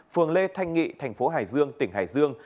phường lê thanh nghị tp hải dương tỉnh hải dương